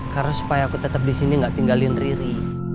karena supaya aku tetep disini gak tinggalin riri